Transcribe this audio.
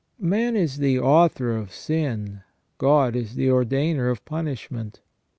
Man is the author of sin, God is the ordainer of punishment.